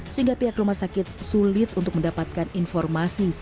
sehingga pihak rumah sakit sulit untuk mendapatkan informasi